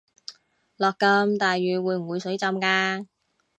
落咁大雨會唔會水浸架